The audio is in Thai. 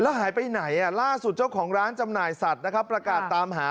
หายไปไหนล่าสุดเจ้าของร้านจำหน่ายสัตว์นะครับประกาศตามหา